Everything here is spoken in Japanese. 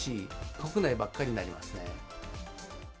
国内ばっかりになりますね。